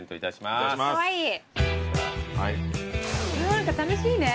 何か楽しいね。